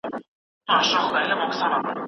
په کوڅه کوڅه یې وګرځم